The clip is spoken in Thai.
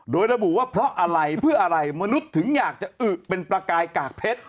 โดยระบุว่าเพราะอะไรมนุษย์ถึงอยากจะเป็นปลากายกากเพชร